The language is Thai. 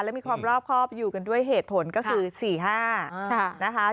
และมีความรอบครอบอยู่กันด้วยเหตุผลก็คือ๔๕นะคะ